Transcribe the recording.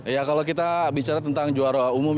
ya kalau kita bicara tentang juara umum